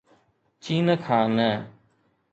چين کان نه.